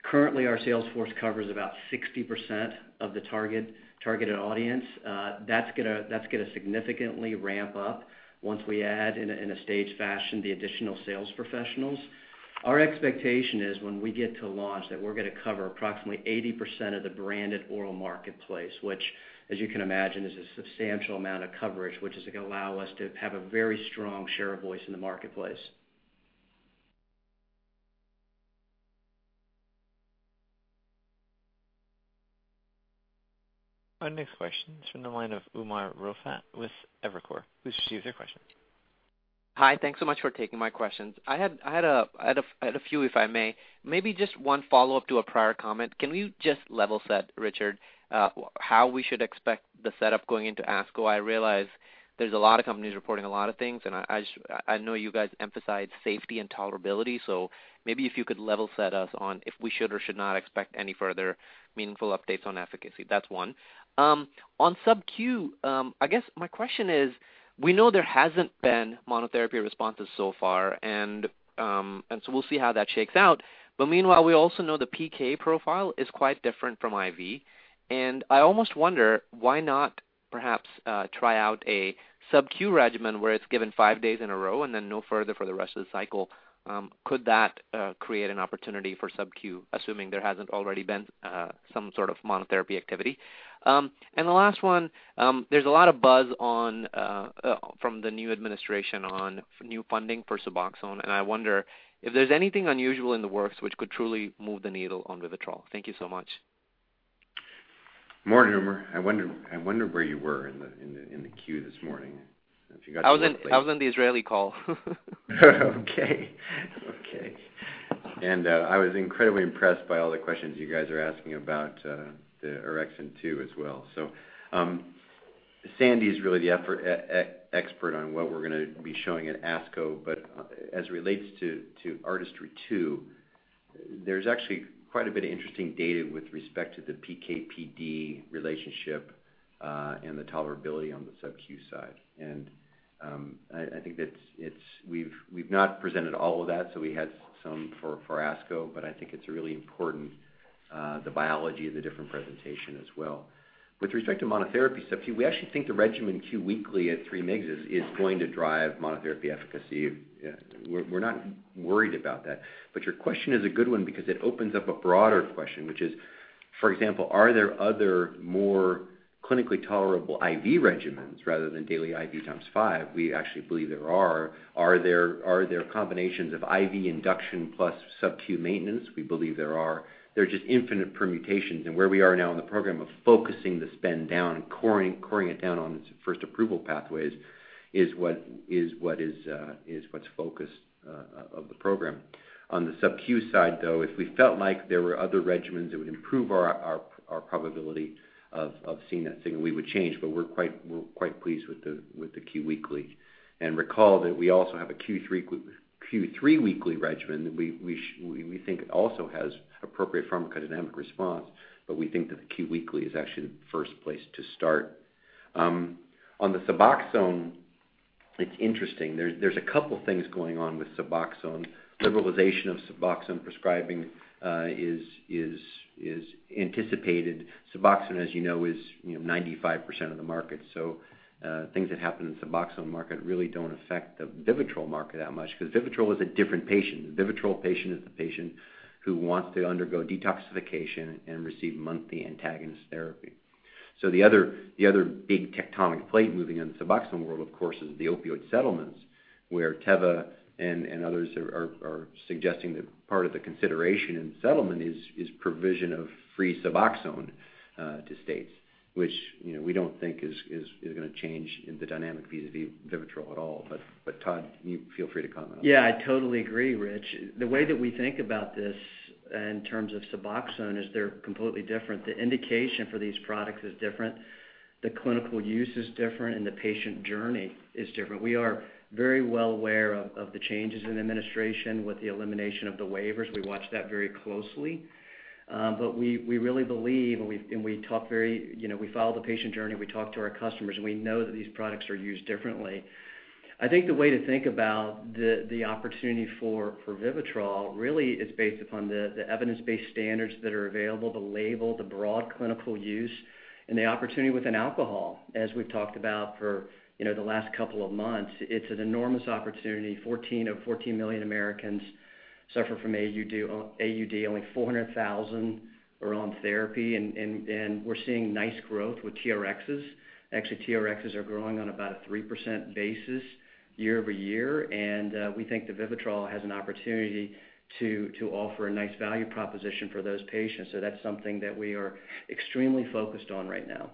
Currently, our sales force covers about 60% of the targeted audience. That's going to significantly ramp up once we add, in a staged fashion, the additional sales professionals. Our expectation is when we get to launch that we're going to cover approximately 80% of the branded oral marketplace, which as you can imagine, is a substantial amount of coverage, which is going to allow us to have a very strong share of voice in the marketplace. Our next question is from the line of Umer Raffat with Evercore. Please proceed with your question. Hi. Thanks so much for taking my questions. I had a few, if I may. Maybe just one follow-up to a prior comment. Can you just level set, Richard, how we should expect the setup going into ASCO? I realize there's a lot of companies reporting a lot of things, and I know you guys emphasize safety and tolerability, so maybe if you could level set us on if we should or should not expect any further meaningful updates on efficacy. That's one. On subcu, I guess my question is, we know there hasn't been monotherapy responses so far, and so we'll see how that shakes out. Meanwhile, we also know the PK profile is quite different from IV. I almost wonder why not perhaps try out a subcu regimen where it's given five days in a row and then no further for the rest of the cycle. Could that create an opportunity for subcu, assuming there hasn't already been some sort of monotherapy activity? The last one, there's a lot of buzz from the new administration on new funding for Suboxone, and I wonder if there's anything unusual in the works which could truly move the needle on Vivitrol. Thank you so much. Morning, Umer. I wonder where you were in the queue this morning? I was on the Israeli call. Okay. I was incredibly impressed by all the questions you guys are asking about the orexin too as well. Sandy is really the expert on what we're going to be showing at ASCO. As it relates to ARTISTRY-2, there's actually quite a bit of interesting data with respect to the PK/PD relationship, and the tolerability on the subcu side. I think that we've not presented all of that, so we had some for ASCO, but I think it's really important, the biology of the different presentation as well. With respect to monotherapy subcu, we actually think the regimen Q weekly at 3 mgs is going to drive monotherapy efficacy. We're not worried about that. Your question is a good one because it opens up a broader question, which is, for example, are there other more clinically tolerable IV regimens rather than daily IV times five? We actually believe there are. Are there combinations of IV induction plus subcu maintenance? We believe there are. There are just infinite permutations and where we are now in the program of focusing the spend down and coring it down on its first approval pathways is what's focused of the program. On the subcu side, though, if we felt like there were other regimens that would improve our probability of seeing that signal, we would change, but we're quite pleased with the Q weekly. Recall that we also have a Q3 weekly regimen that we think also has appropriate pharmacodynamic response, but we think that the Q weekly is actually the first place to start. On the SUBOXONE, it's interesting. There's a couple things going on with SUBOXONE. Liberalization of SUBOXONE prescribing is anticipated. SUBOXONE, as you know, is 95% of the market. Things that happen in the SUBOXONE market really don't affect the VIVITROL market that much because VIVITROL is a different patient. The VIVITROL patient is the patient who wants to undergo detoxification and receive monthly antagonist therapy. The other big tectonic plate moving in the SUBOXONE world, of course, is the opioid settlements, where Teva and others are suggesting that part of the consideration in settlement is provision of free SUBOXONE to states, which we don't think is going to change the dynamic vis-a-vis VIVITROL at all. Todd, you feel free to comment on that. Yeah, I totally agree, Rich. The way that we think about this in terms of Suboxone is they're completely different. The indication for these products is different. The clinical use is different, and the patient journey is different. We are very well aware of the changes in administration with the elimination of the waivers. We watch that very closely. We really believe, and we follow the patient journey, we talk to our customers, and we know that these products are used differently. I think the way to think about the opportunity for Vivitrol really is based upon the evidence-based standards that are available, the label, the broad clinical use, and the opportunity within alcohol. As we've talked about for the last couple of months, it's an enormous opportunity. 14 million Americans suffer from AUD. Only 400,000 are on therapy, and we're seeing nice growth with TRxs. Actually, TRxs are growing on about a 3% basis year-over-year. We think that VIVITROL has an opportunity to offer a nice value proposition for those patients. That's something that we are extremely focused on right now.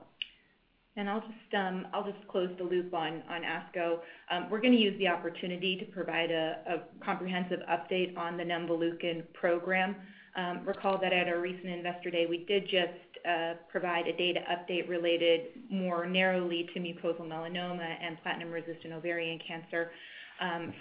I'll just close the loop on ASCO. We're going to use the opportunity to provide a comprehensive update on the nemvaleukin program. Recall that at our recent Investor Day, we did just provide a data update related more narrowly to mucosal melanoma and platinum-resistant ovarian cancer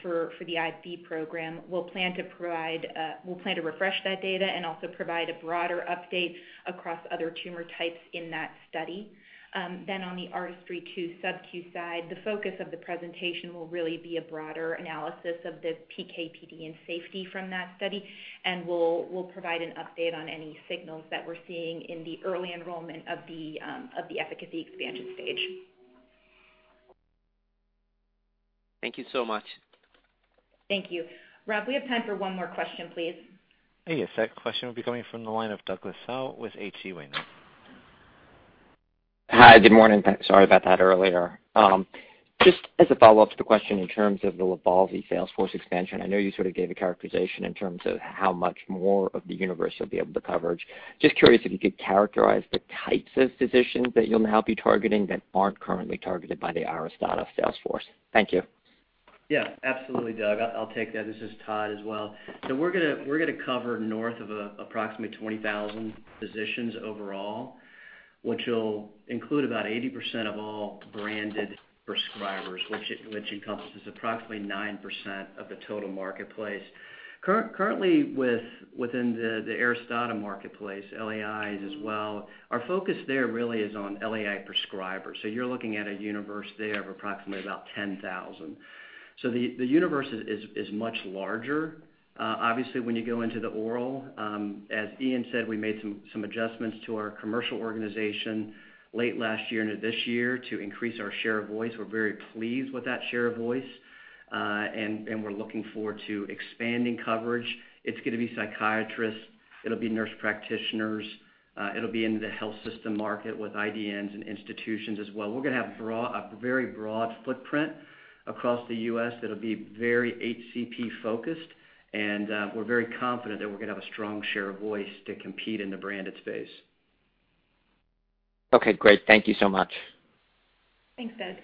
for the IV program. We'll plan to refresh that data and also provide a broader update across other tumor types in that study. On the ARTISTRY-2 subcu side, the focus of the presentation will really be a broader analysis of the PK/PD and safety from that study, and we'll provide an update on any signals that we're seeing in the early enrollment of the efficacy expansion stage. Thank you so much. Thank you. Rob, we have time for one more question, please. Yes. That question will be coming from the line of Douglas Tsao with H.C. Wainwright. Hi. Good morning. Sorry about that earlier. Just as a follow-up to the question in terms of the LYBALVI sales force expansion, I know you sort of gave a characterization in terms of how much more of the universe you'll be able to coverage. Just curious if you could characterize the types of physicians that you'll now be targeting that aren't currently targeted by the ARISTADA sales force. Thank you. Yeah, absolutely, Doug. I'll take that. This is Todd as well. We're going to cover north of approximately 20,000 physicians overall, which will include about 80% of all branded prescribers, which encompasses approximately 9% of the total marketplace. Currently within the ARISTADA marketplace, LAIs as well, our focus there really is on LAI prescribers. You're looking at a universe there of approximately about 10,000. The universe is much larger. Obviously, when you go into the oral, as Iain said, we made some adjustments to our commercial organization late last year into this year to increase our share of voice. We're very pleased with that share of voice. We're looking forward to expanding coverage. It's going to be psychiatrists, it'll be nurse practitioners, it'll be into the health system market with IDNs and institutions as well. We're going to have a very broad footprint across the U.S. that'll be very HCP focused, and we're very confident that we're going to have a strong share of voice to compete in the branded space. Okay, great. Thank you so much. Thanks, Doug.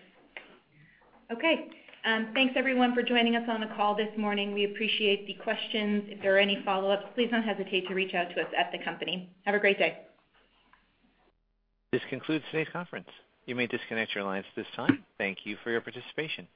Okay. Thanks everyone for joining us on the call this morning. We appreciate the questions. If there are any follow-ups, please don't hesitate to reach out to us at the company. Have a great day. This concludes today's conference. You may disconnect your lines at this time. Thank you for your participation.